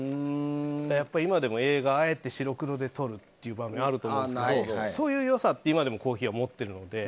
今でも映画をあえて白黒で撮る場面ってあると思うんですけどそういう良さをコーヒーは持っているので。